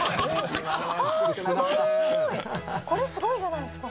これすごいじゃないですか。